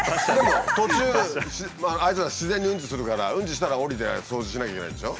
途中あいつら自然にうんちするからうんちしたら下りて掃除しなきゃいけないんでしょ。